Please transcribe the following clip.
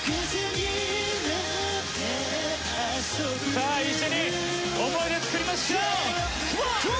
さあ、一緒に思い出作りましょう！